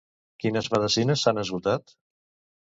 Quines medicines s'han esgotat?